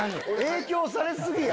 影響され過ぎや。